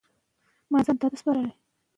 ایا دا عادت ګټور دی؟